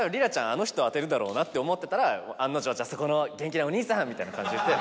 あの人当てるだろうなって思ってたら案の定「じゃあそこの元気なお兄さん」みたいな感じで言って。